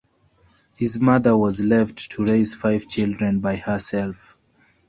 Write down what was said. His mother was left to raise five children by herself.